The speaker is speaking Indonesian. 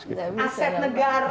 aset negara itu